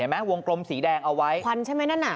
เห็นไหมวงกลมสีแดงเอาไว้ควันใช่ไหมนั่น